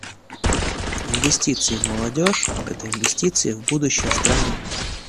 Инвестиции в молодежь — это инвестиции в будущее страны.